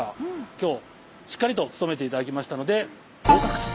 今日しっかりと務めて頂きましたので合格と。